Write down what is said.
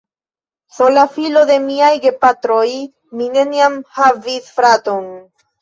Sola filo de miaj gepatroj, mi neniam havis fraton.